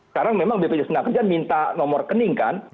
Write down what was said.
sekarang memang bpj tenaga kerjaan minta nomor rekening kan